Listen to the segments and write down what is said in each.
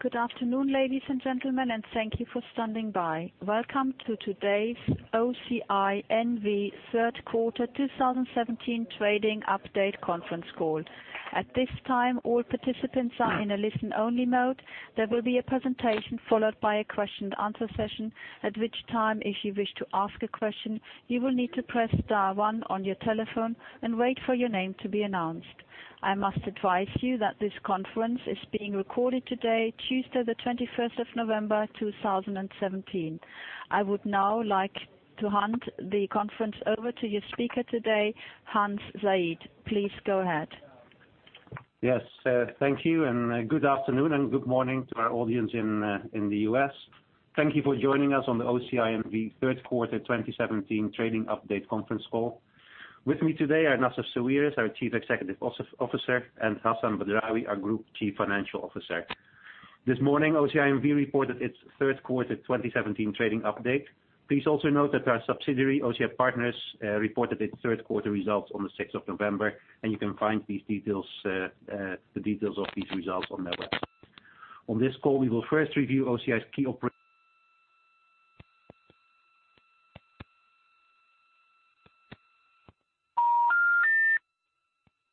Good afternoon, ladies and gentlemen, and thank you for standing by. Welcome to today's OCI N.V. Third Quarter 2017 Trading Update conference call. At this time, all participants are in a listen-only mode. There will be a presentation followed by a question and answer session, at which time, if you wish to ask a question, you will need to press dial one on your telephone and wait for your name to be announced. I must advise you that this conference is being recorded today, Tuesday, the 21st of November 2017. I would now like to hand the conference over to your speaker today, Hans Zayed. Please go ahead. Yes. Thank you, and good afternoon and good morning to our audience in the U.S. Thank you for joining us on the OCI N.V. Third Quarter 2017 Trading Update conference call. With me today are Nassef Sawiris, our Chief Executive Officer, and Hassan Badrawi, our Group Chief Financial Officer. This morning, OCI N.V. reported its third quarter 2017 trading update. Please also note that our subsidiary, OCI Partners, reported its third quarter results on the 6th of November, and you can find the details of these results on their website. On this call, we will first review OCI's key.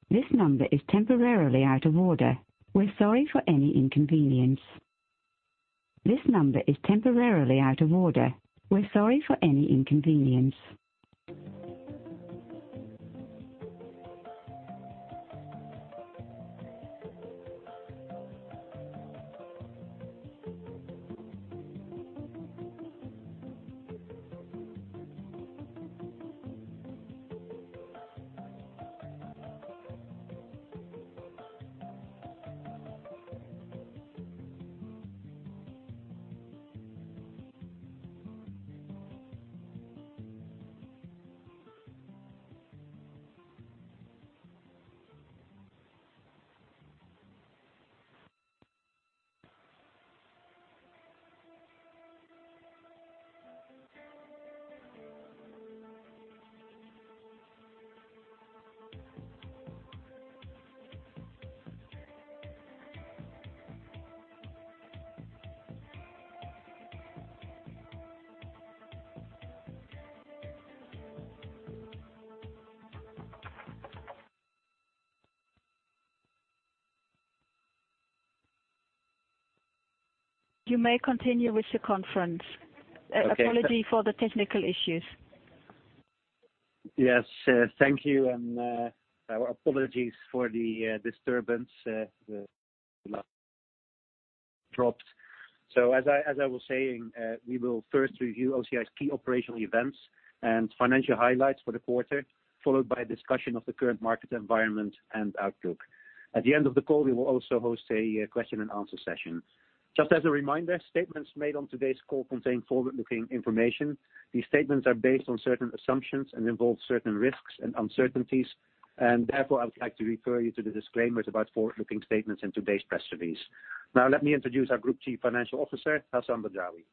This number is temporarily out of order. We're sorry for any inconvenience. This number is temporarily out of order. We're sorry for any inconvenience. You may continue with your conference. Okay. Apology for the technical issues. Thank you, and our apologies for the disturbance, the line dropped. As I was saying, we will first review OCI's key operational events and financial highlights for the quarter, followed by a discussion of the current market environment and outlook. At the end of the call, we will also host a question and answer session. As a reminder, statements made on today's call contain forward-looking information. These statements are based on certain assumptions and involve certain risks and uncertainties, therefore, I would like to refer you to the disclaimers about forward-looking statements in today's press release. Let me introduce our Group Chief Financial Officer, Hassan Badrawi.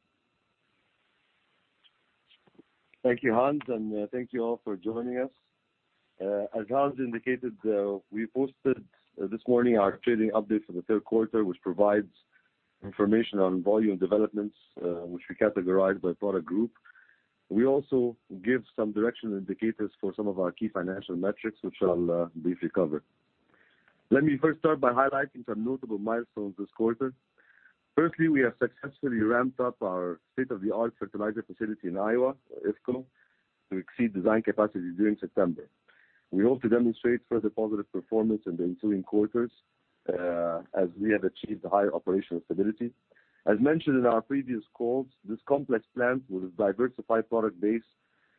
Thank you, Hans, and thank you all for joining us. As Hans indicated, we posted this morning our trading update for the third quarter, which provides information on volume developments, which we categorize by product group. We also give some directional indicators for some of our key financial metrics, which I will briefly cover. Let me first start by highlighting some notable milestones this quarter. Firstly, we have successfully ramped up our state-of-the-art fertilizer facility in Iowa, IFCO, to exceed design capacity during September. We hope to demonstrate further positive performance in the ensuing quarters as we have achieved higher operational stability. As mentioned in our previous calls, this complex plant with a diversified product base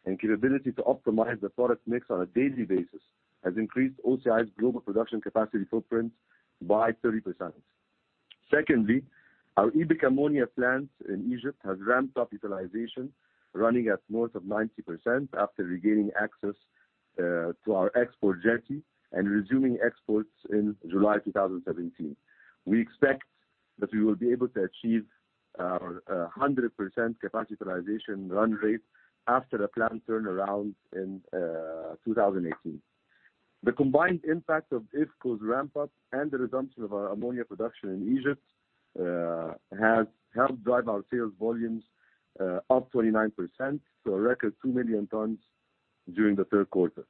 and capability to optimize the product mix on a daily basis has increased OCI's global production capacity footprint by 30%. Secondly, our EBIC ammonia plant in Egypt has ramped up utilization running at north of 90% after regaining access to our export jetty and resuming exports in July 2017. We expect that we will be able to achieve our 100% capacity utilization run rate after a plant turnaround in 2018. The combined impact of IFCO's ramp-up and the resumption of our ammonia production in Egypt has helped drive our sales volumes up 29% to a record 2 million tons during the third quarter.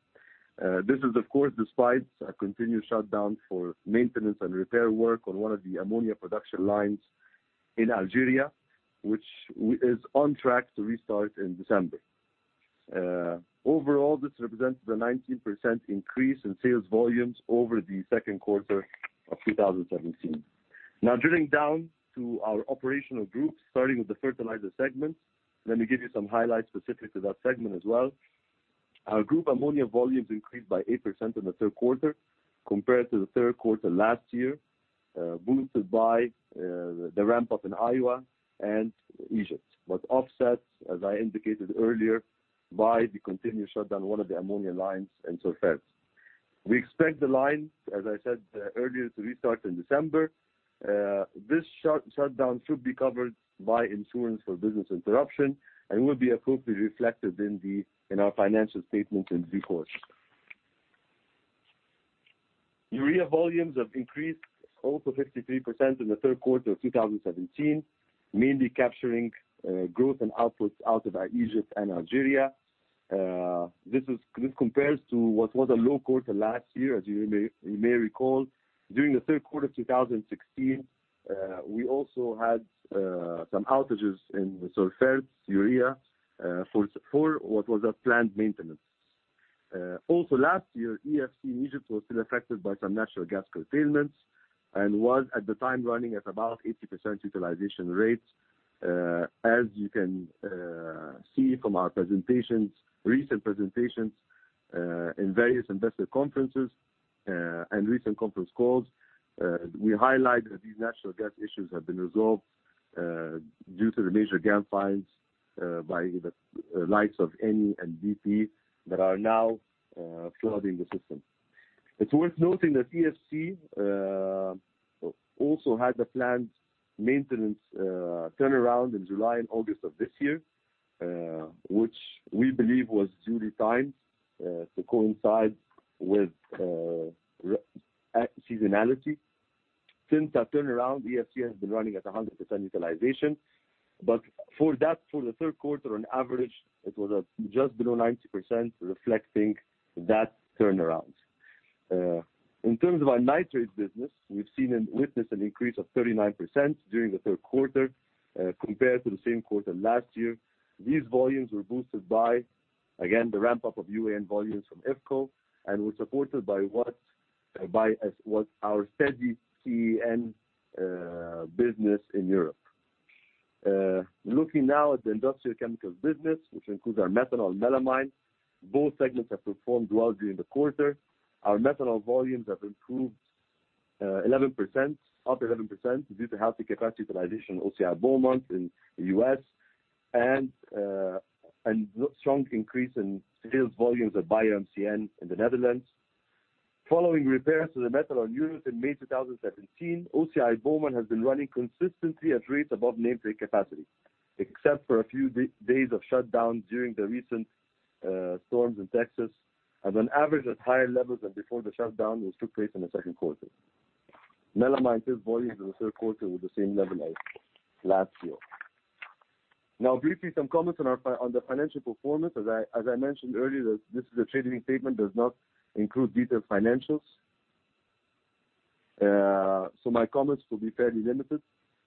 This is of course despite a continued shutdown for maintenance and repair work on one of the ammonia production lines in Algeria, which is on track to restart in December. Overall, this represents a 19% increase in sales volumes over the second quarter of 2017. Drilling down to our operational groups, starting with the fertilizer segment. Let me give you some highlights specific to that segment as well. Our group ammonia volumes increased by 8% in the third quarter compared to the third quarter last year, boosted by the ramp-up in Iowa and Egypt, but offset, as I indicated earlier, by the continued shutdown of one of the ammonia lines in Sorfert. We expect the line, as I said earlier, to restart in December. This shutdown should be covered by insurance for business interruption and will be appropriately reflected in our financial statements in due course. Urea volumes have increased also 53% in the third quarter of 2017, mainly capturing growth in outputs out of our Egypt and Algeria. This compares to what was a low quarter last year, as you may recall. During the third quarter 2016, we also had some outages in Sorfert, urea for what was a planned maintenance. Also last year, EFC Egypt was still affected by some natural gas curtailments and was at the time running at about 80% utilization rates. As you can see from our recent presentations in various investor conferences and recent conference calls, we highlight that these natural gas issues have been resolved due to the major gas finds by the likes of Eni and BP that are now flooding the system. It's worth noting that EFC also had a planned maintenance turnaround in July and August of this year, which we believe was duly timed to coincide with seasonality. Since that turnaround, EFC has been running at 100% utilization, but for the third quarter, on average, it was at just below 90%, reflecting that turnaround. In terms of our nitrates business, we've witnessed an increase of 39% during the third quarter compared to the same quarter last year. These volumes were boosted by, again, the ramp-up of UAN volumes from IFCO and were supported by our steady CAN business in Europe. Looking at the industrial chemicals business, which includes our methanol and melamine, both segments have performed well during the quarter. Our methanol volumes have improved up 11% due to healthy capacity utilization OCI Beaumont in the U.S. and strong increase in sales volumes at BioMCN in the Netherlands. Following repairs to the methanol units in May 2017, OCI Beaumont has been running consistently at rates above nameplate capacity, except for a few days of shutdown during the recent storms in Texas, and on average at higher levels than before the shutdown, which took place in the second quarter. Melamine sales volumes in the third quarter were the same level as last year. Briefly, some comments on the financial performance. As I mentioned earlier, that this is a trading statement, does not include detailed financials. My comments will be fairly limited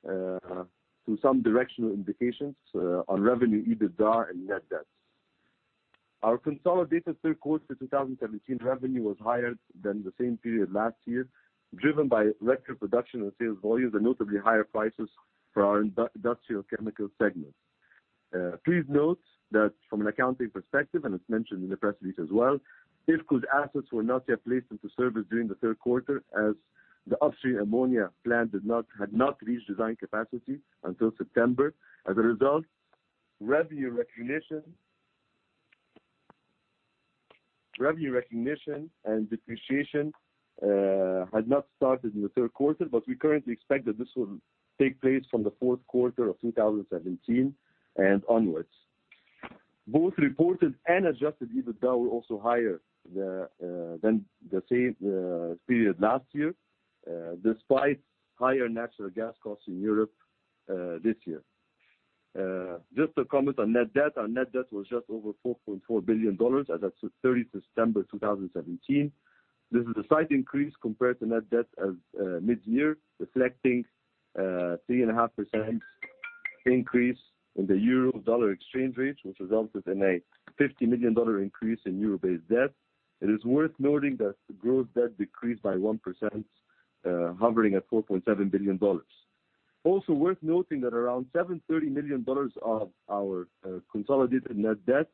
to some directional indications on revenue, EBITDA, and net debt. Our consolidated third quarter 2017 revenue was higher than the same period last year, driven by record production and sales volumes and notably higher prices for our industrial chemicals segment. Please note that from an accounting perspective, and it's mentioned in the press release as well, IFCO's assets were not yet placed into service during the third quarter as the Austrian ammonia plant had not reached design capacity until September. As a result, revenue recognition and depreciation had not started in the third quarter, but we currently expect that this will take place from the fourth quarter of 2017 and onwards. Both reported and adjusted EBITDA were also higher than the same period last year, despite higher natural gas costs in Europe this year. Just to comment on net debt, our net debt was just over $4.4 billion as at 30 September 2017. This is a slight increase compared to net debt as mid-year, reflecting 3.5% increase in the euro-dollar exchange rate, which resulted in a EUR 50 million increase in euro-based debt. It is worth noting that gross debt decreased by 1%, hovering at $4.7 billion. Also worth noting that around $730 million of our consolidated net debt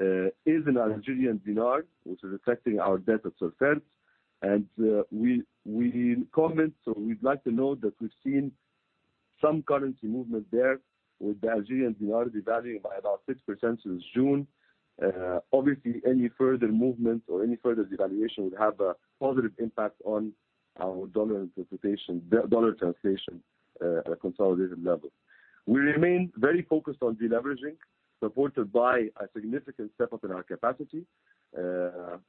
is in our Algerian dinar, which is affecting our debt at Sorfert. We comment, we'd like to note that we've seen some currency movement there, with the Algerian dinar devaluing by about 6% since June. Obviously, any further movement or any further devaluation would have a positive impact on our dollar translation at a consolidated level. We remain very focused on de-leveraging, supported by a significant step-up in our capacity,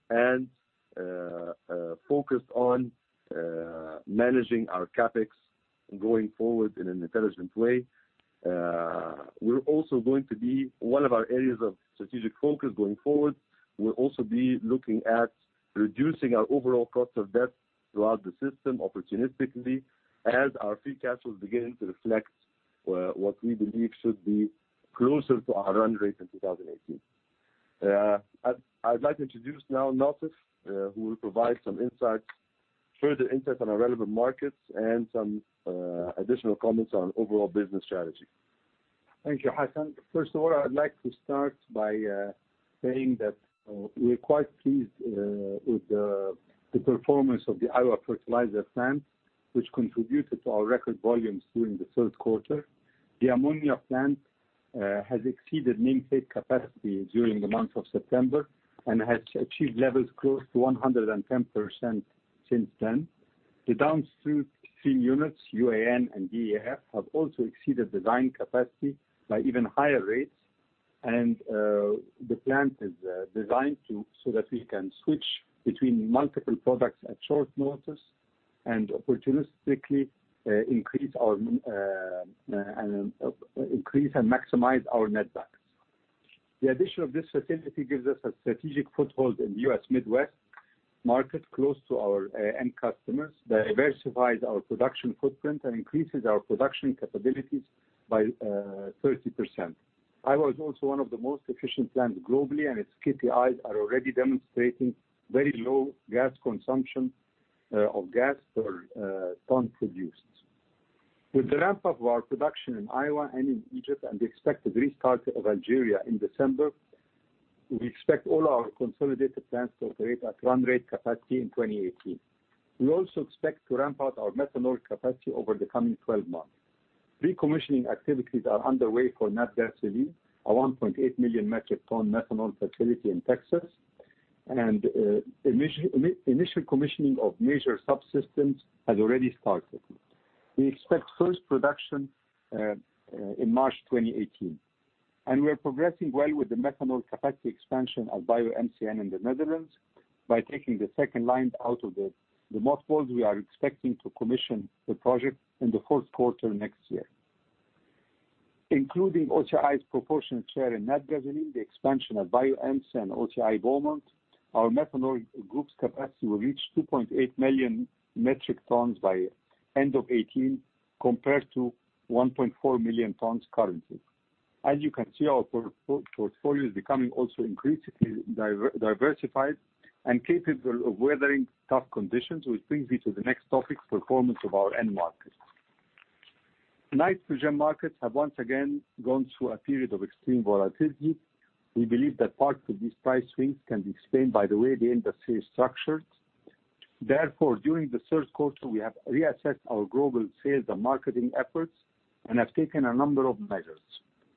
and focused on managing our CapEx going forward in an intelligent way. One of our areas of strategic focus going forward, we'll also be looking at reducing our overall cost of debt throughout the system opportunistically as our free cash flow is beginning to reflect what we believe should be closer to our run rate in 2018. I'd like to introduce now Nassef, who will provide some further insight on our relevant markets and some additional comments on overall business strategy. Thank you, Hassan. First of all, I'd like to start by saying that we're quite pleased with the performance of the Iowa Fertilizer plant, which contributed to our record volumes during the third quarter. The ammonia plant has exceeded nameplate capacity during the month of September and has achieved levels close to 110% since then. The downstream units, UAN and DAP, have also exceeded design capacity by even higher rates. The plant is designed so that we can switch between multiple products at short notice and opportunistically increase and maximize our netbacks. The addition of this facility gives us a strategic foothold in the U.S. Midwest market, close to our end customers, diversifies our production footprint, and increases our production capabilities by 30%. Iowa is also one of the most efficient plants globally, and its KPIs are already demonstrating very low gas consumption of gas per ton produced. With the ramp-up of our production in Iowa and in Egypt and the expected restart of Algeria in December, we expect all our consolidated plants to operate at run-rate capacity in 2018. We also expect to ramp up our methanol capacity over the coming 12 months. Recommissioning activities are underway for Natgasoline, a 1.8 million metric ton methanol facility in Texas, and initial commissioning of major subsystems has already started. We expect first production in March 2018. We are progressing well with the methanol capacity expansion of BioMCN in the Netherlands. By taking the second line out of the mothballs, we are expecting to commission the project in the fourth quarter next year. Including OCI's proportionate share in Natgasoline, the expansion of BioMCN, OCI Beaumont, our methanol group's capacity will reach 2.8 million metric tons by end of 2018, compared to 1.4 million tons currently. As you can see, our portfolio is becoming also increasingly diversified and capable of weathering tough conditions, which brings me to the next topic, performance of our end markets. nitrogen markets have once again gone through a period of extreme volatility. We believe that parts of these price swings can be explained by the way the industry is structured. Therefore, during the third quarter, we have reassessed our global sales and marketing efforts and have taken a number of measures.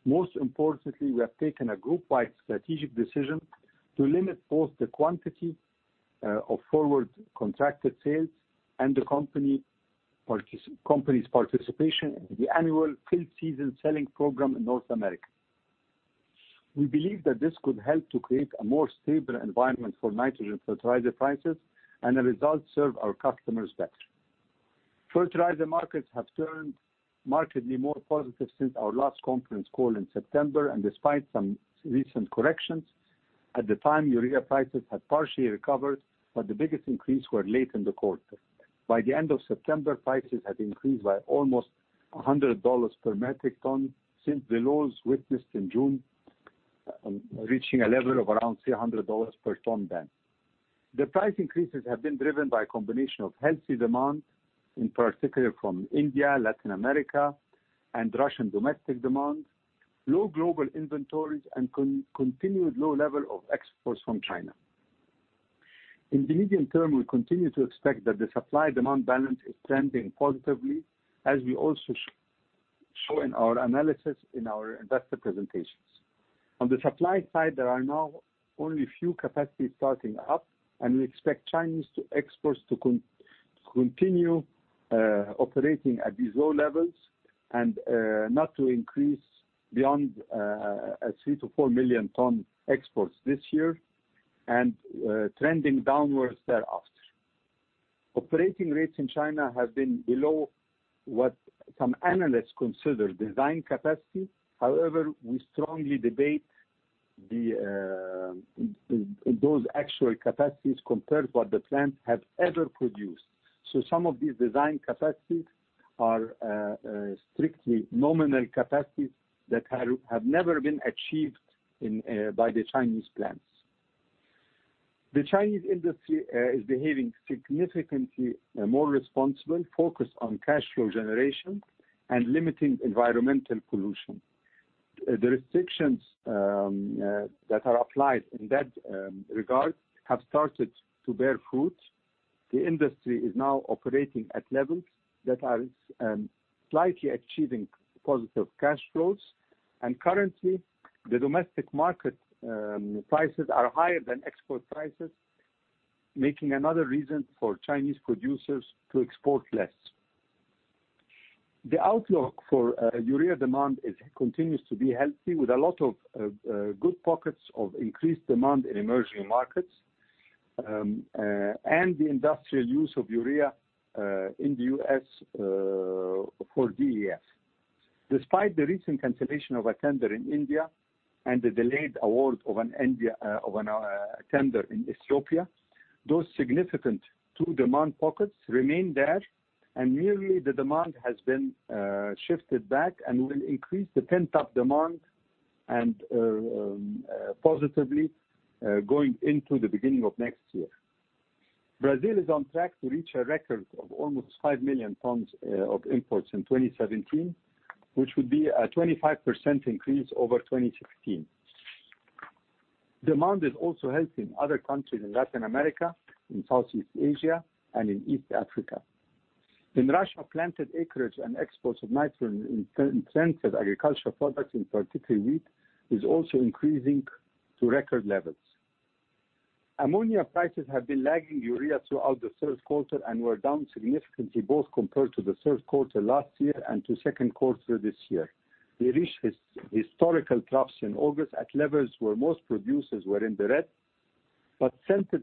Most importantly, we have taken a group-wide strategic decision to limit both the quantity of forward contracted sales and the company's participation in the annual fill season selling program in North America. We believe that this could help to create a more stable environment for nitrogen fertilizer prices, and as a result, serve our customers better. Fertilizer markets have turned markedly more positive since our last conference call in September. Despite some recent corrections at the time, urea prices had partially recovered, but the biggest increase were late in the quarter. By the end of September, prices had increased by almost $100 per metric ton since the lows witnessed in June, reaching a level of around $300 per ton then. The price increases have been driven by a combination of healthy demand, in particular from India, Latin America, and Russian domestic demand, low global inventories, and continued low level of exports from China. In the medium term, we continue to expect that the supply-demand balance is trending positively as we also show in our analysis in our investor presentations. On the supply side, there are now only a few capacities starting up. We expect Chinese exports to continue operating at these low levels and not to increase beyond 3 million-4 million ton exports this year, and trending downwards thereafter. Operating rates in China have been below what some analysts consider design capacity. However, we strongly debate those actual capacities compared to what the plants have ever produced. Some of these design capacities are strictly nominal capacities that have never been achieved by the Chinese plants. The Chinese industry is behaving significantly more responsible, focused on cash flow generation, and limiting environmental pollution. The restrictions that are applied in that regard have started to bear fruit. The industry is now operating at levels that are slightly achieving positive cash flows. Currently, the domestic market prices are higher than export prices, making another reason for Chinese producers to export less. The outlook for urea demand continues to be healthy, with a lot of good pockets of increased demand in emerging markets, and the industrial use of urea in the U.S. for DEF. Despite the recent cancellation of a tender in India and the delayed award of a tender in Ethiopia, those significant two demand pockets remain there. Merely the demand has been shifted back and will increase the pent-up demand and positively going into the beginning of next year. Brazil is on track to reach a record of almost 5 million tons of imports in 2017, which would be a 25% increase over 2016. Demand is also healthy in other countries in Latin America, in Southeast Asia, and in East Africa. In Russia, planted acreage and exports of nitrogen in planted agricultural products, in particular wheat, is also increasing to record levels. Ammonia prices have been lagging urea throughout the third quarter and were down significantly, both compared to the third quarter last year and to second quarter this year. Since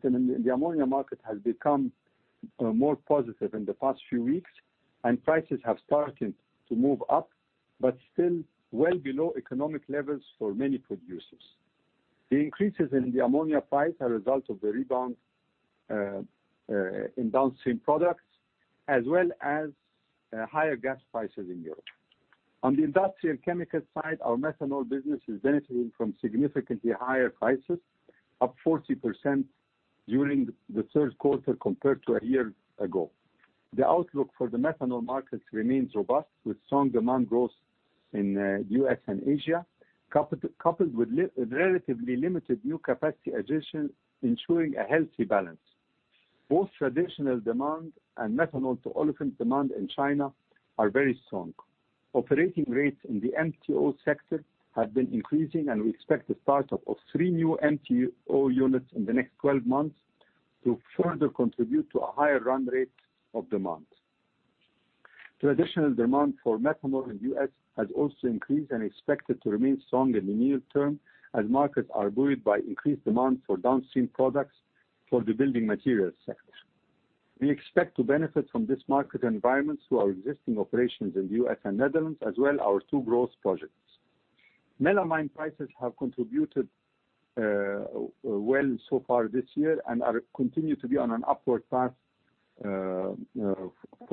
then the ammonia market has become more positive in the past few weeks and prices have started to move up, still well below economic levels for many producers. The increases in the ammonia price are a result of the rebound in downstream products, as well as higher gas prices in Europe. On the industrial chemical side, our methanol business is benefiting from significantly higher prices, up 40% during the third quarter compared to a year ago. The outlook for the methanol markets remains robust, with strong demand growth in the U.S. and Asia, coupled with relatively limited new capacity addition, ensuring a healthy balance. Both traditional demand and methanol to olefin demand in China are very strong. Operating rates in the MTO sector have been increasing, and we expect the start-up of three new MTO units in the next 12 months to further contribute to a higher run rate of demand. Traditional demand for methanol in the U.S. has also increased and expected to remain strong in the near term, as markets are buoyed by increased demand for downstream products for the building materials sector. We expect to benefit from this market environment through our existing operations in the U.S. and Netherlands, as well our two growth projects. Melamine prices have contributed well so far this year and continue to be on an upward path for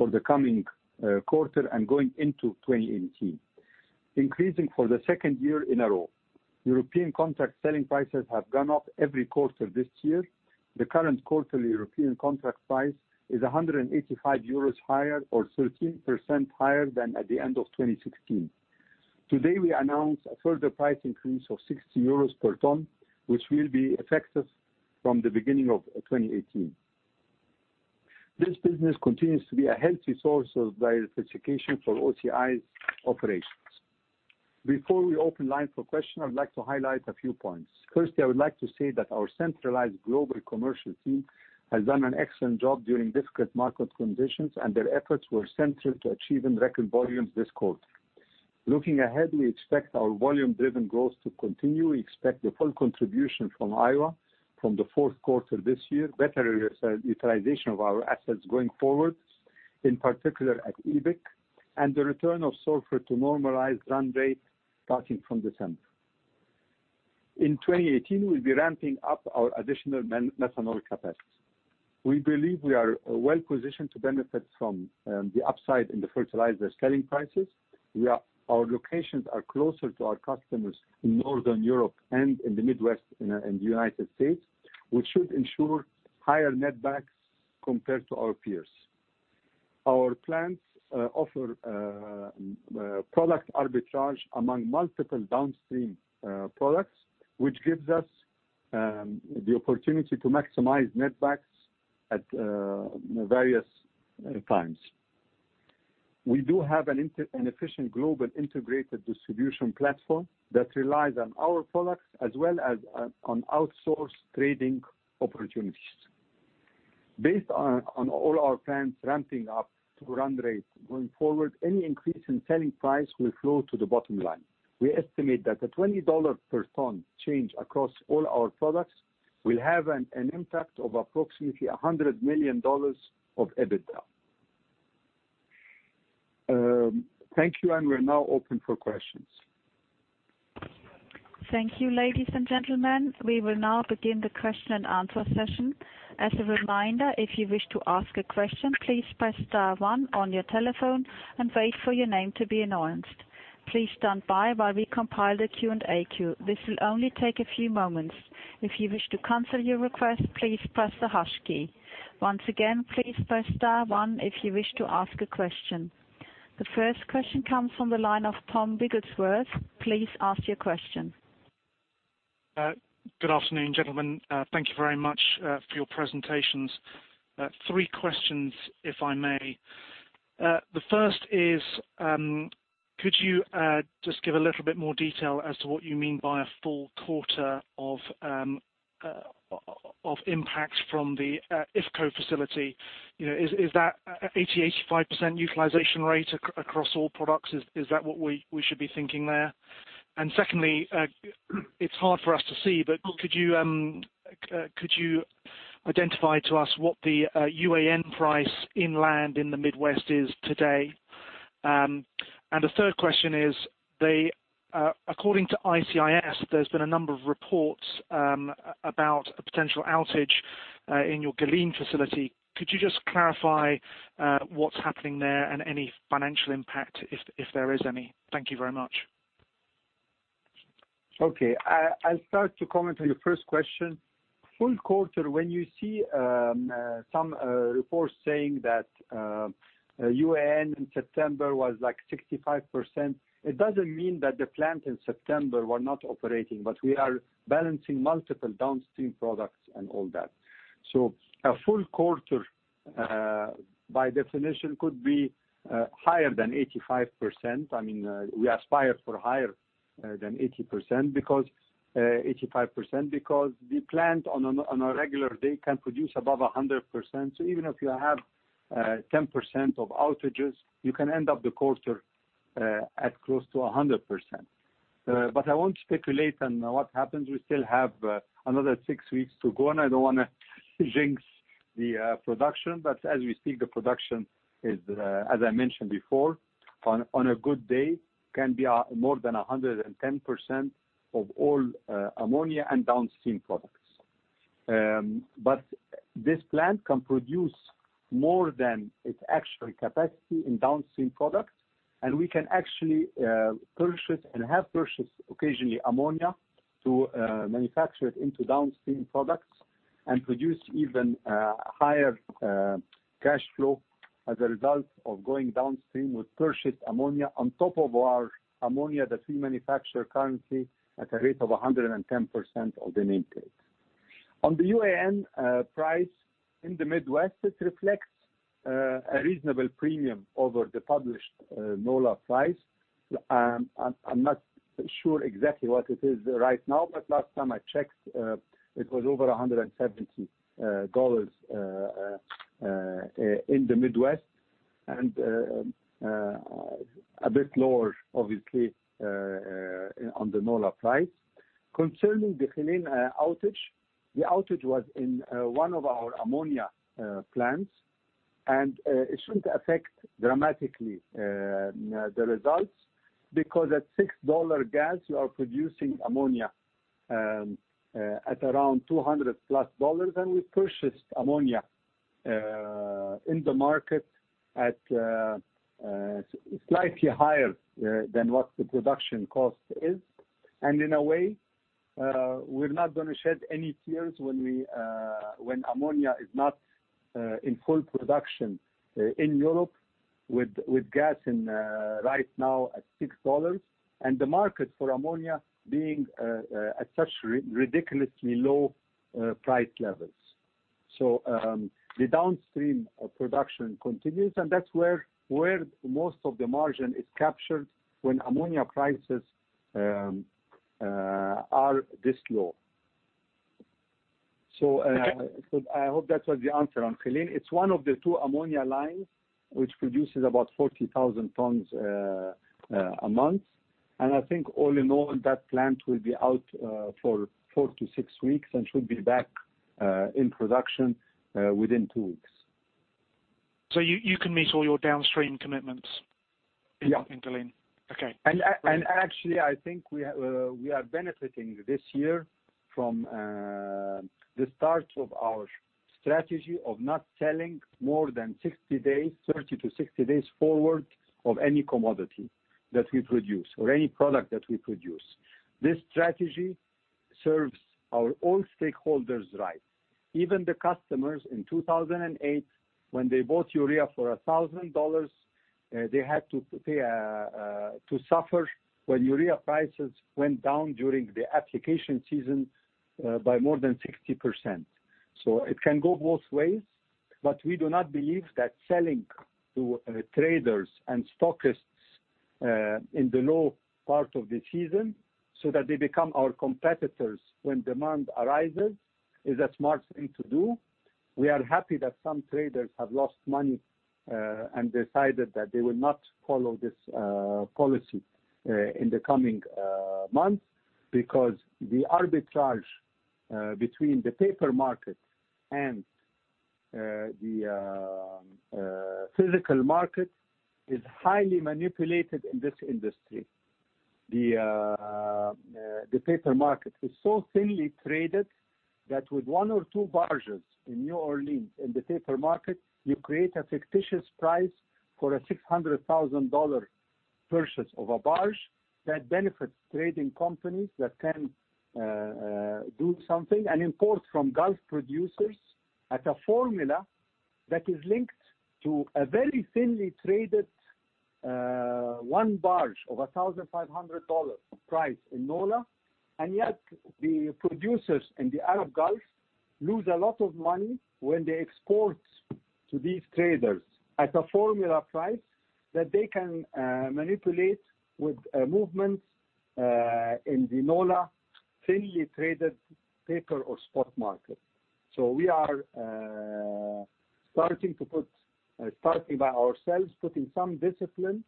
the coming quarter and going into 2018, increasing for the second year in a row. European contract selling prices have gone up every quarter this year. The current quarterly European contract price is 185 euros higher or 13% higher than at the end of 2016. Today, we announce a further price increase of 60 euros per ton, which will be effective from the beginning of 2018. This business continues to be a healthy source of diversification for OCI's operations. Before we open lines for questions, I would like to highlight a few points. Firstly, I would like to say that our centralized global commercial team has done an excellent job during difficult market conditions. Their efforts were central to achieving record volumes this quarter. Looking ahead, we expect our volume-driven growth to continue. We expect the full contribution from Iowa from the fourth quarter this year, better utilization of our assets going forward, in particular at EBIC, and the return of Sorfert to normalized run rate starting from December. In 2018, we will be ramping up our additional methanol capacity. We believe we are well-positioned to benefit from the upside in the fertilizer selling prices. Our locations are closer to our customers in Northern Europe and in the Midwest in the U.S., which should ensure higher netbacks compared to our peers. Our plants offer product arbitrage among multiple downstream products, which gives us the opportunity to maximize netbacks at various times. We do have an efficient global integrated distribution platform that relies on our products as well as on outsourced trading opportunities. Based on all our plants ramping up to run rate going forward, any increase in selling price will flow to the bottom line. We estimate that a $20 per ton change across all our products will have an impact of approximately $100 million of EBITDA. Thank you. We are now open for questions. Thank you, ladies and gentlemen. We will now begin the question and answer session. As a reminder, if you wish to ask a question, please press star one on your telephone and wait for your name to be announced. Please stand by while we compile the Q&A queue. This will only take a few moments. If you wish to cancel your request, please press the hash key. Once again, please press star one if you wish to ask a question. The first question comes from the line of Tom Wrigglesworth. Please ask your question. Good afternoon, gentlemen. Thank you very much for your presentations. Three questions, if I may. The first is, could you just give a little bit more detail as to what you mean by a full quarter of impact from the IFCO facility? Is that 80%-85% utilization rate across all products? Is that what we should be thinking there? Secondly, it's hard for us to see, but could you identify to us what the UAN price inland in the Midwest is today? The third question is, according to ICIS, there's been a number of reports about a potential outage in your Geleen facility. Could you just clarify what's happening there and any financial impact, if there is any? Thank you very much. Okay. I'll start to comment on your first question. Full quarter, when you see some reports saying that UAN in September was 65%, it doesn't mean that the plant in September was not operating, but we are balancing multiple downstream products and all that. A full quarter, by definition, could be higher than 85%. We aspire for higher than 85%, because the plant on a regular day can produce above 100%. Even if you have 10% of outages, you can end up the quarter at close to 100%. I won't speculate on what happens. We still have another six weeks to go, and I don't want to jinx the production. As we speak, the production is, as I mentioned before, on a good day, can be more than 110% of all ammonia and downstream products. This plant can produce more than its actual capacity in downstream products, and we can actually purchase and have purchased occasionally ammonia to manufacture it into downstream products and produce even higher cash flow as a result of going downstream with purchased ammonia on top of our ammonia that we manufacture currently at a rate of 110% of the nameplate. On the UAN price in the Midwest, it reflects a reasonable premium over the published NOLA price. I'm not sure exactly what it is right now, but last time I checked, it was over $170 in the Midwest and a bit lower, obviously, on the NOLA price. Concerning the Geleen outage, the outage was in one of our ammonia plants. It shouldn't affect dramatically the results because at $6 gas, you are producing ammonia at around $200 plus, and we purchased ammonia in the market at slightly higher than what the production cost is. In a way, we're not going to shed any tears when ammonia is not in full production in Europe with gas right now at $6 and the market for ammonia being at such ridiculously low price levels. The downstream production continues, and that's where most of the margin is captured when ammonia prices are this low. I hope that was the answer on Geleen. It's one of the two ammonia lines, which produces about 40,000 tons a month. I think all in all, that plant will be out for four to six weeks and should be back in production within two weeks. You can meet all your downstream commitments. Yeah in Geleen. Okay. Actually, I think we are benefiting this year from the start of our strategy of not selling more than 30 to 60 days forward of any commodity that we produce or any product that we produce. This strategy serves our own stakeholders right. Even the customers in 2008, when they bought urea for $1,000, they had to suffer when urea prices went down during the application season by more than 60%. It can go both ways, we do not believe that selling to traders and stockists in the low part of the season, so that they become our competitors when demand arises, is a smart thing to do. We are happy that some traders have lost money and decided that they will not follow this policy in the coming months because the arbitrage between the paper market and the physical market is highly manipulated in this industry. The paper market is so thinly traded that with one or two barges in New Orleans in the paper market, you create a fictitious price for a $600,000 purchase of a barge that benefits trading companies that can do something and import from Gulf producers at a formula that is linked to a very thinly traded one barge of $1,500 price in NOLA. Yet the producers in the Arab Gulf lose a lot of money when they export to these traders at a formula price that they can manipulate with movements in the NOLA thinly traded paper or spot market. We are starting by ourselves, putting some discipline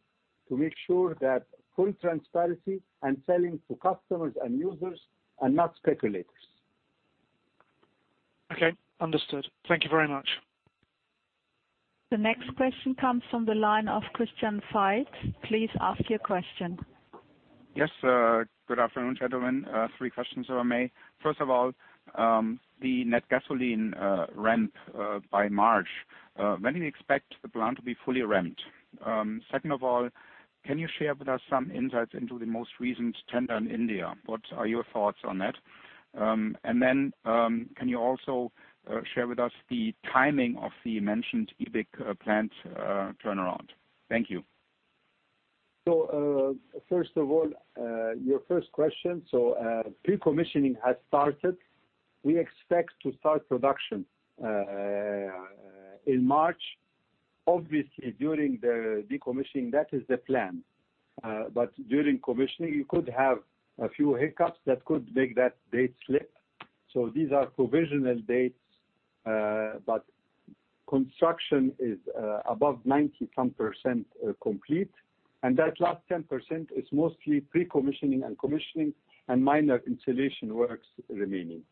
to make sure that full transparency and selling to customers and users and not speculators. Okay. Understood. Thank you very much. The next question comes from the line of Christian Faitz. Please ask your question. Yes. Good afternoon, gentlemen. Three questions, if I may. First of all, the Natgasoline ramp by March. When do you expect the plant to be fully ramped? Second of all, can you share with us some insights into the most recent tender in India? What are your thoughts on that? Can you also share with us the timing of the mentioned EBIC plant turnaround? Thank you. First of all, your first question. Pre-commissioning has started. We expect to start production in March. Obviously, during the commissioning, that is the plan. During commissioning you could have a few hiccups that could make that date slip. These are provisional dates. Construction is above 90-some% complete, and that last 10% is mostly pre-commissioning and commissioning and minor insulation works remaining.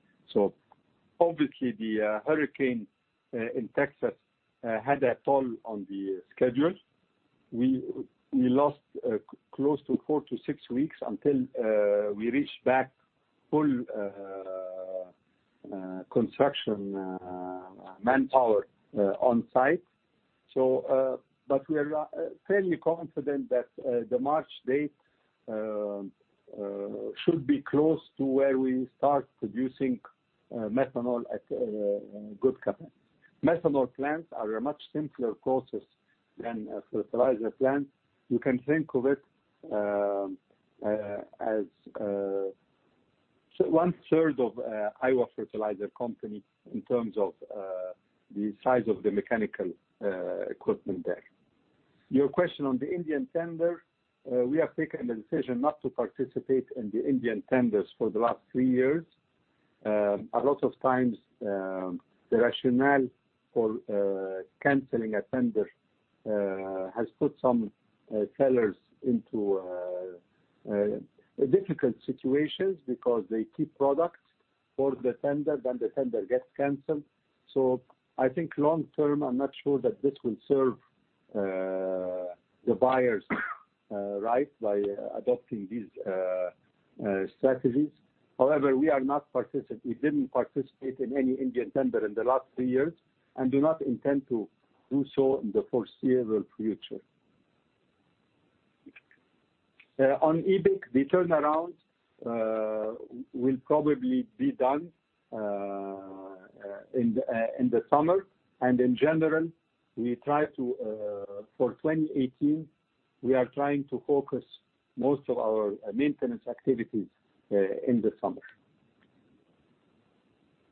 Obviously the hurricane in Texas had a toll on the schedule. We lost close to 4 to 6 weeks until we reached back full construction manpower on site. We are fairly confident that the March date should be close to where we start producing methanol at good capacity. Methanol plants are a much simpler process than a fertilizer plant. You can think of it as one third of Iowa Fertilizer Company in terms of the size of the mechanical equipment there. Your question on the Indian tender, we have taken the decision not to participate in the Indian tenders for the last 3 years. A lot of times, the rationale for canceling a tender has put some sellers into difficult situations because they keep products for the tender, then the tender gets canceled. I think long term, I'm not sure that this will serve the buyers right by adopting these strategies. However, we didn't participate in any Indian tender in the last 3 years and do not intend to do so in the foreseeable future. On EBIC, the turnaround will probably be done in the summer. In general, for 2018, we are trying to focus most of our maintenance activities in the summer.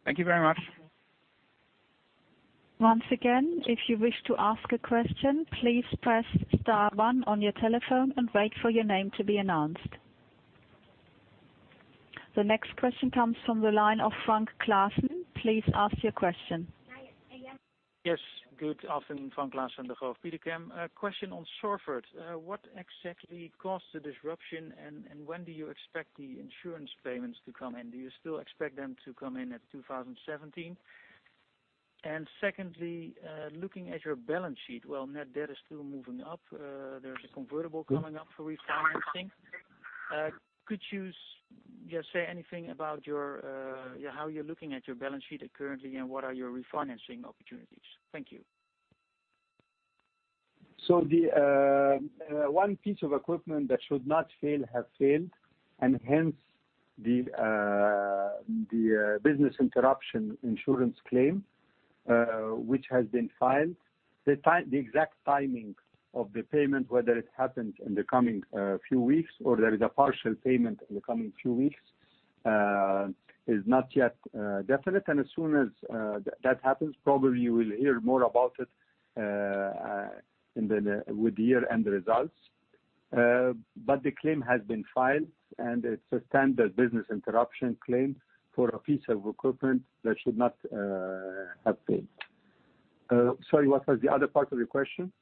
Thank you very much. Once again, if you wish to ask a question, please press star one on your telephone and wait for your name to be announced. The next question comes from the line of Frank Klassen. Please ask your question. Yes. Good afternoon, Frank Klassen, Degroof Petercam. A question on Sorfert. What exactly caused the disruption, and when do you expect the insurance payments to come in? Do you still expect them to come in at 2017? Secondly, looking at your balance sheet, while net debt is still moving up, there's a convertible coming up for refinancing. Could you just say anything about how you're looking at your balance sheet currently, and what are your refinancing opportunities? Thank you. The one piece of equipment that should not fail have failed, and hence the business interruption insurance claim, which has been filed. The exact timing of the payment, whether it happens in the coming few weeks or there is a partial payment in the coming few weeks, is not yet definite. As soon as that happens, probably you will hear more about it with the year-end results. The claim has been filed, and it's a standard business interruption claim for a piece of equipment that should not have failed. Sorry, what was the other part of your question?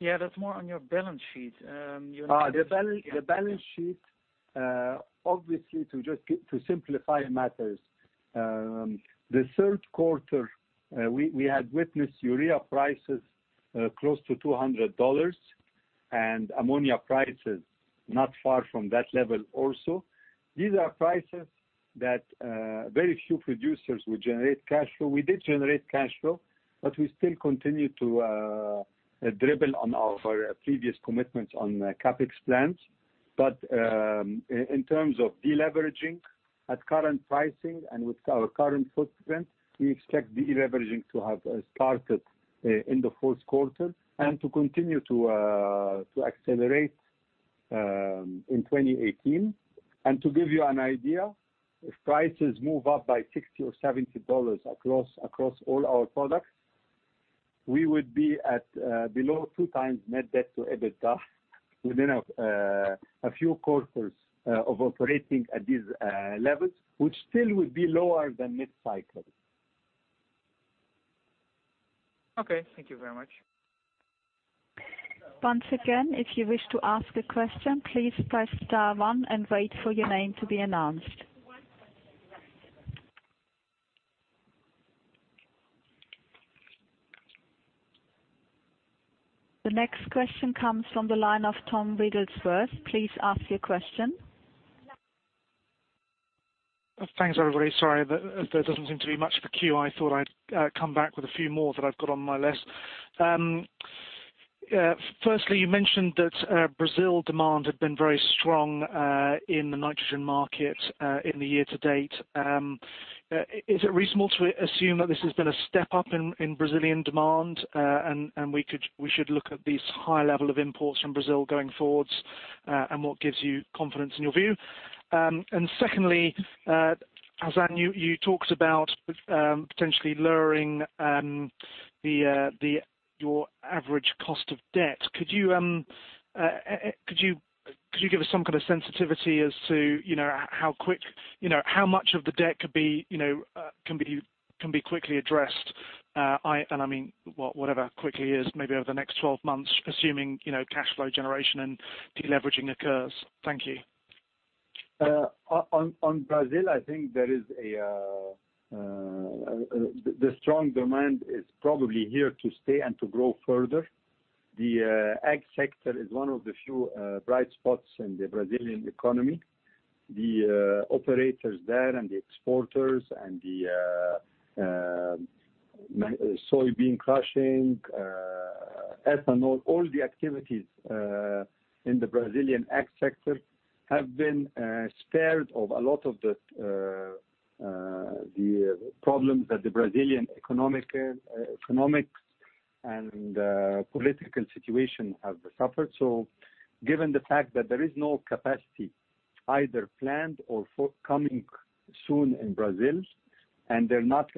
Yeah, that's more on your balance sheet. The balance sheet, obviously, to simplify matters, the third quarter, we had witnessed urea prices close to $200 and ammonia prices not far from that level also. These are prices that very few producers would generate cash flow. We did generate cash flow, but we still continue to dribble on our previous commitments on CapEx plans. In terms of de-leveraging at current pricing and with our current footprint, we expect de-leveraging to have started in the fourth quarter and to continue to accelerate in 2018. To give you an idea, if prices move up by $60 or $70 across all our products, we would be at below two times net debt to EBITDA within a few quarters of operating at these levels, which still would be lower than mid-cycle. Okay. Thank you very much. Once again, if you wish to ask a question, please press star one and wait for your name to be announced. The next question comes from the line of Tom Wrigglesworth. Please ask your question. Thanks, everybody. Sorry, there doesn't seem to be much of a queue. I thought I'd come back with a few more that I've got on my list. Firstly, you mentioned that Brazil demand had been very strong in the nitrogen market, in the year to date. Is it reasonable to assume that this has been a step up in Brazilian demand, and we should look at these high level of imports from Brazil going forwards, and what gives you confidence in your view? Secondly, Hassan, you talked about potentially lowering your average cost of debt. Could you give us some kind of sensitivity as to how much of the debt can be quickly addressed? I mean, whatever quickly is, maybe over the next 12 months, assuming cash flow generation and de-leveraging occurs. Thank you. On Brazil, I think the strong demand is probably here to stay and to grow further. The ag sector is one of the few bright spots in the Brazilian economy. The operators there and the exporters and the soybean crushing, ethanol, all the activities in the Brazilian ag sector have been spared of a lot of the problems that the Brazilian economic and political situation have suffered. Given the fact that there is no capacity either planned or forthcoming soon in Brazil, and they're not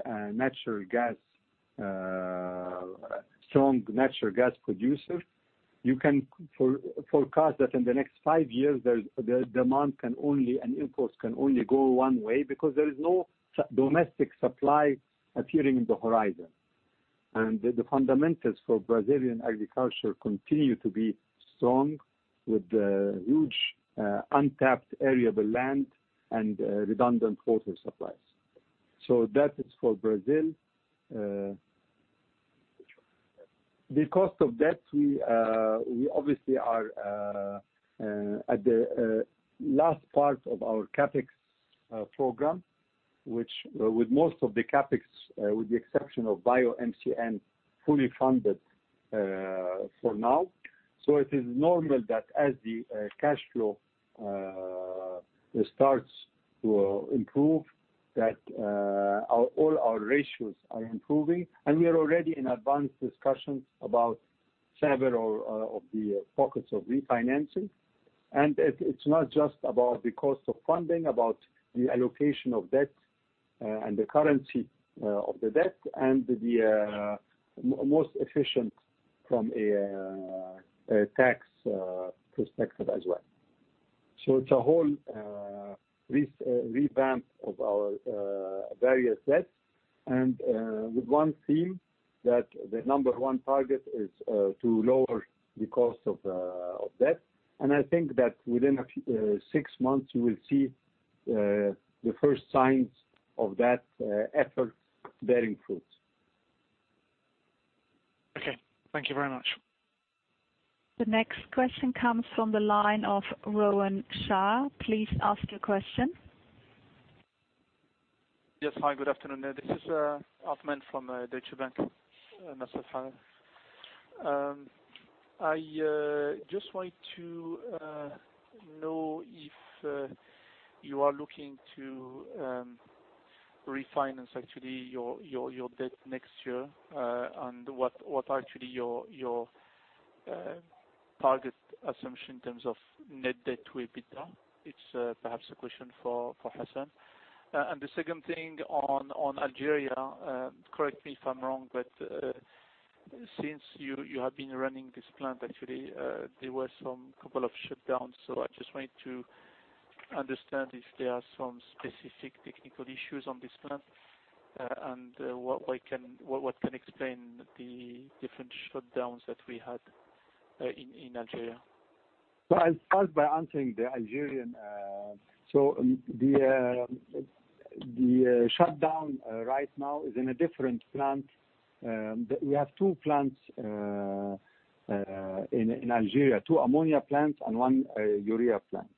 strong natural gas producer, you can forecast that in the next five years, the demand and imports can only go one way because there is no domestic supply appearing in the horizon. The fundamentals for Brazilian agriculture continue to be strong with the huge, untapped area of the land and redundant water supplies. That is for Brazil. The cost of debt, we obviously are at the last part of our CapEx program, which with most of the CapEx, with the exception of BioMCN, fully funded for now. It is normal that as the cash flow starts to improve, that all our ratios are improving and we are already in advanced discussions about several of the pockets of refinancing. It's not just about the cost of funding, about the allocation of debt and the currency of the debt and the most efficient from a tax perspective as well. It's a whole revamp of our various debts and with one theme that the number one target is to lower the cost of debt. I think that within six months, you will see the first signs of that effort bearing fruit. Okay. Thank you very much. The next question comes from the line of Rohan Shah. Please ask your question. Yes. Hi, good afternoon. This is Ahmad from Deutsche Bank. Nassef, hi. I just wanted to know if you are looking to refinance actually your debt next year. What actually your target assumption in terms of net debt to EBITDA? It's perhaps a question for Hassan. The second thing on Algeria, correct me if I'm wrong, but since you have been running this plant actually, there were some couple of shutdowns. I just wanted to understand if there are some specific technical issues on this plant, and what can explain the different shutdowns that we had in Algeria? I'll start by answering the Algerian. The shutdown right now is in a different plant. We have two plants in Algeria, two ammonia plants and one urea plant.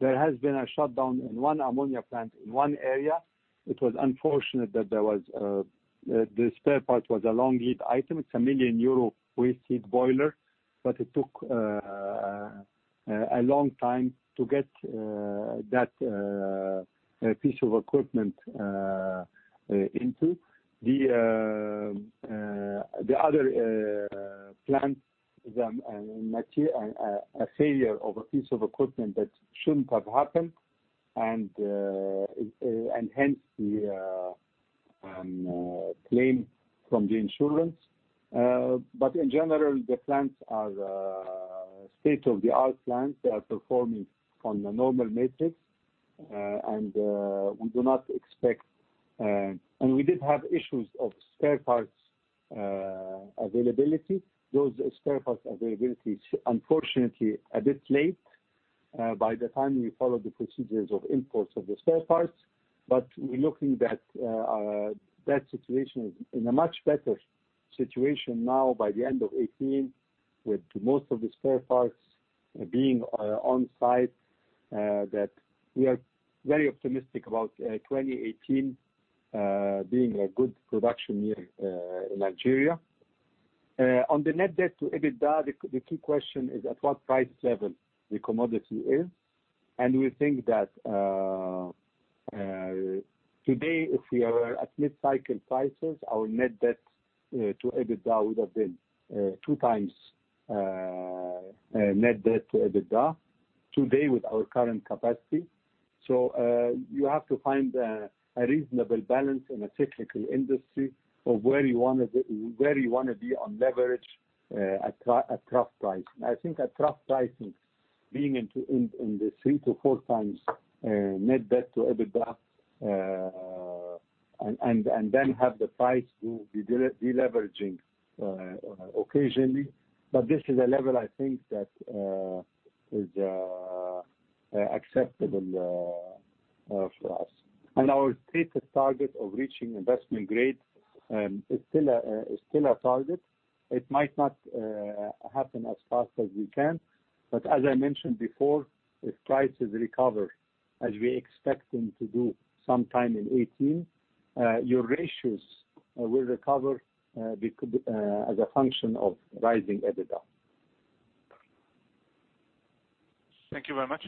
There has been a shutdown in one ammonia plant in one area. It was unfortunate that the spare part was a long lead item. It's a 1 million euro waste heat boiler, it took a long time to get that piece of equipment into. The other plant, a failure of a piece of equipment that shouldn't have happened and hence the claim from the insurance. In general, the plants are state-of-the-art plants. They are performing on the normal metrics. We did have issues of spare parts availability. Those spare parts availability is unfortunately a bit late, by the time we followed the procedures of imports of the spare parts. We are looking that situation is in a much better situation now by the end of 2018, with most of the spare parts being on site, that we are very optimistic about 2018 being a good production year in Algeria. On the net debt to EBITDA, the key question is at what price level the commodity is. We think that today if we are at mid-cycle prices, our net debt to EBITDA would have been two times net debt to EBITDA today with our current capacity. You have to find a reasonable balance in a cyclical industry of where you want to be on leverage at trough pricing. I think at trough pricing, being in the three to four times net debt to EBITDA, then have the price to be deleveraging occasionally. This is a level I think that is acceptable for us. Our stated target of reaching investment grade is still a target. It might not happen as fast as we can. As I mentioned before, if prices recover as we expect them to do sometime in 2018, your ratios will recover as a function of rising EBITDA. Thank you very much.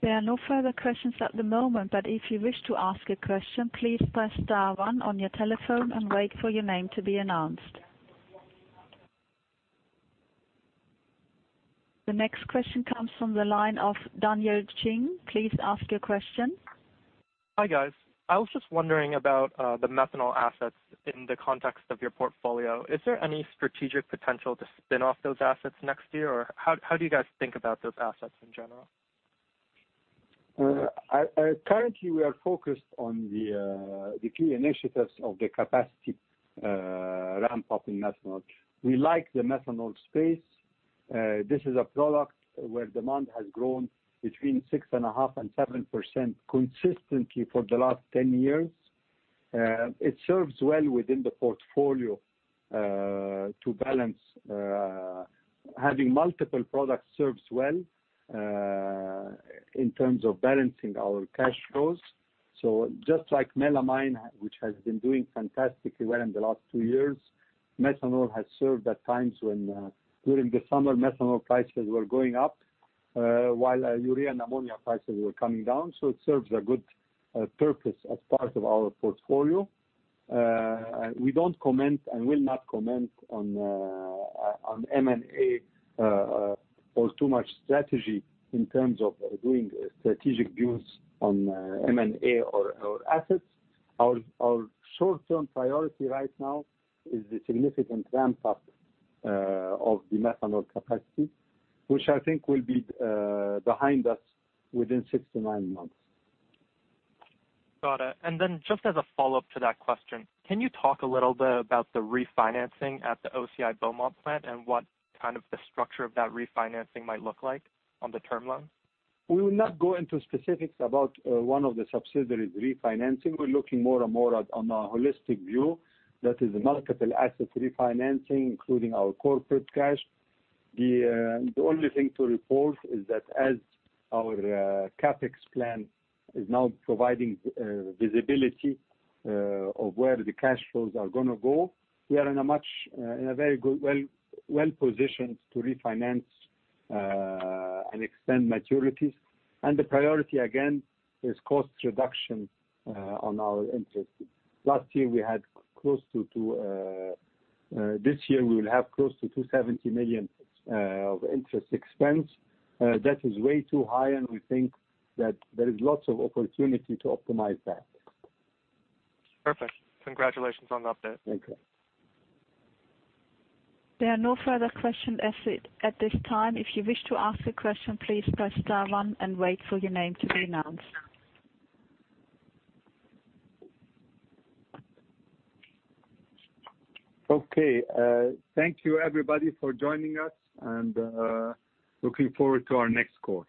There are no further questions at the moment, but if you wish to ask a question, please press star one on your telephone and wait for your name to be announced. The next question comes from the line of Daniel Ching. Please ask your question. Hi, guys. I was just wondering about the methanol assets in the context of your portfolio. Is there any strategic potential to spin off those assets next year? How do you guys think about those assets in general? Currently, we are focused on the key initiatives of the capacity ramp-up in methanol. We like the methanol space. This is a product where demand has grown between six and a half and 7% consistently for the last 10 years. It serves well within the portfolio to balance. Having multiple products serves well, in terms of balancing our cash flows. Just like melamine, which has been doing fantastically well in the last two years, methanol has served at times when, during the summer, methanol prices were going up, while urea and ammonia prices were coming down. It serves a good purpose as part of our portfolio. We don't comment and will not comment on M&A, or too much strategy in terms of doing strategic deals on M&A or assets. Our short-term priority right now is the significant ramp-up of the methanol capacity, which I think will be behind us within six to nine months. Got it. Then just as a follow-up to that question, can you talk a little bit about the refinancing at the OCI Beaumont plant and what the structure of that refinancing might look like on the term loan? We will not go into specifics about one of the subsidiaries refinancing. We're looking more on a holistic view, that is multiple assets refinancing, including our corporate cash. The only thing to report is that as our CapEx plan is now providing visibility of where the cash flows are going to go, we are in a very good, well-positioned to refinance and extend maturities. The priority again, is cost reduction on our interest. This year, we will have close to $270 million of interest expense. That is way too high, and we think that there is lots of opportunity to optimize that. Perfect. Congratulations on the update. Thank you. There are no further questions at this time. If you wish to ask a question, please press star one and wait for your name to be announced. Okay. Thank you everybody for joining us and looking forward to our next call.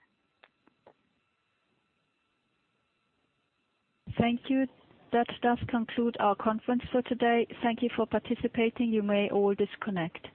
Thank you. That does conclude our conference for today. Thank you for participating. You may all disconnect.